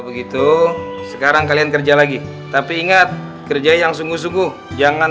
begitu sekarang kalian kerja lagi tapi ingat kerja yang sungguh sungguh jangan